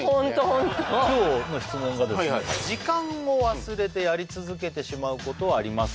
ホント今日の質問がですね時間を忘れてやり続けてしまうことはありますか？